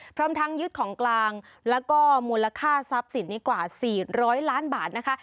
พร้อมทั้งยึดของกลางแล้วก็มูลค่าทรัพย์สินนี้กว่า๔๐๐ล้านบาทนะคะ